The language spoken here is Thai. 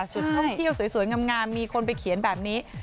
จุดท่องเที่ยวสวยงามมีคนไปเขียนแบบนี้